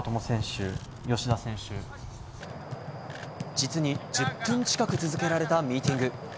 実に１０分近く続けられたミーティング。